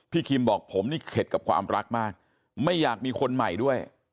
คิมบอกผมนี่เข็ดกับความรักมากไม่อยากมีคนใหม่ด้วย